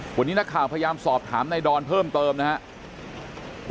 วันนี้นักข่าวพยายามสอบถามในดอนเพิ่มเติมนะครับ